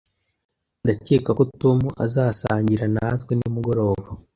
Ndakeka ko Tom azasangira natwe nimugoroba